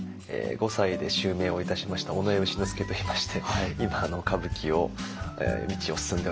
５歳で襲名をいたしました尾上丑之助といいまして今歌舞伎の道を進んでおります。